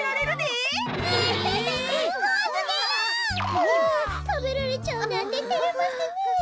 うわたべられちゃうなんててれますねえ。